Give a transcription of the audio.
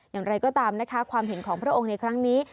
อย่างไรก็ตามนะคะความเห็นของพระองค์ในครั้งนี้